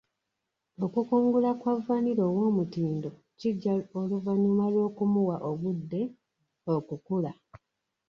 Okukungula kwa vanilla ow'omutindo kijja oluvannyuma lw'okumuwa obudde okukula.